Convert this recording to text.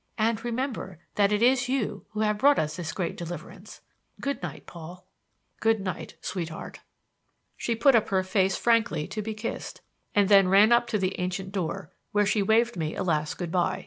And, remember, that it is you who have brought us this great deliverance. Good night, Paul." "Good night, sweetheart." She put up her face frankly to be kissed and then ran up to the ancient door; whence she waved me a last good by.